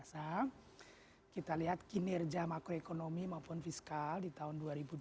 karena kita lihat kinerja makroekonomi maupun fiskal di tahun dua ribu dua puluh tiga